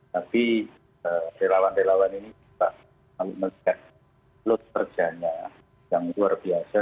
tapi relawan relawan ini juga kalau melihat load kerjanya yang luar biasa